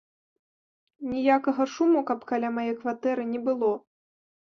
Ніякага шуму каб каля мае кватэры не было.